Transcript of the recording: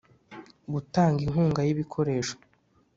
Gutanga inkunga y ibikoresho